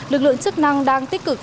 lực lượng chức năng đang tích cực